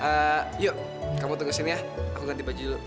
eh yuk kamu tunggu sini ya aku ganti baju